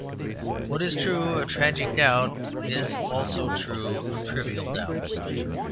What is true of tragic doubt is true also of trivial doubt.